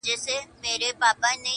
o هر کور يو غم لري تل,